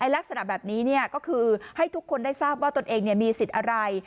ลักษณะแบบนี้ก็คือให้ทุกคนได้ทราบว่าตนเองมีสิทธิ์อะไร